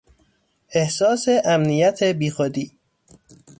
احساس امنیت بیخودی